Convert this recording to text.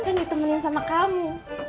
kan ditemani sama kamu